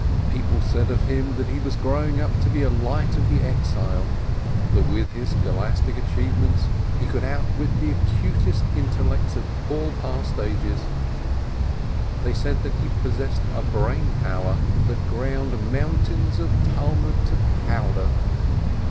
People said of him, that he was growing up to be a Light of the Exile, that with his scholastic achievements he would outwit the acutest intellects of all past ages ; they said that he possessed a brain power that ground "mountains" of Talmud to powder.